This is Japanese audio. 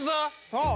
そう。